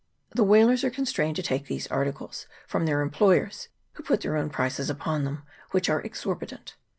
The whalers are constrained to take these articles from their em ployers, who put their own prices upon them, which are exorbitant.